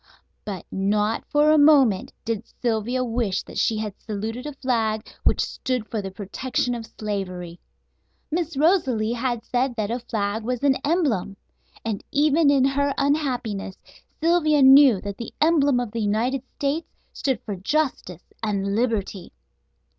But not for a moment did Sylvia wish that she had saluted a flag which stood for the protection of slavery. Miss Rosalie had said that a flag was an "emblem," and even in her unhappiness Sylvia knew that the emblem of the United States stood for justice and liberty.